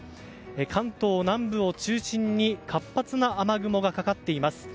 関東南部を中心に活発な雨雲がかかっています。